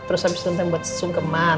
terus habis itu yang buat sungkeman